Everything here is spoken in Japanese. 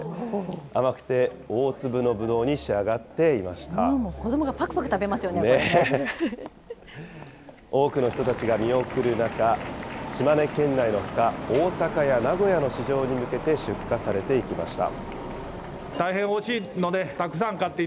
甘くて大粒のぶどうに仕上がって子どもがぱくぱく食べますよ多くの人たちが見送る中、島根県内のほか、大阪や名古屋の市場に向けて出荷されていきました。